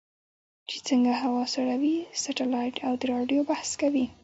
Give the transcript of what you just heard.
چې څنګه هوا سړوي سټلایټ او د رادیو بحث کوي.